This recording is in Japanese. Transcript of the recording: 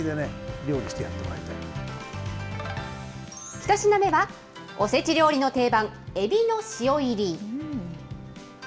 １品目は、おせち料理の定番、エビの塩いり。